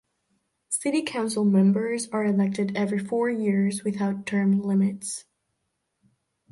City council members are elected every four years, without term limits.